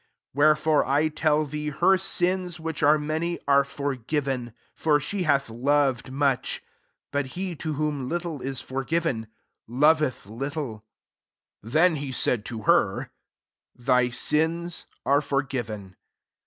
47 Wherefore I tea thee. Her sins, which are many, are forgiven ;'^for she hath loved much: but he to whom little ft forgiven^ Icrpeth HttleJ*^ 48 Then he said to her, "Thy sins are forgiven.